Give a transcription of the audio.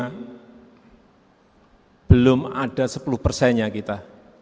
karena belum ada sepuluh persennya kita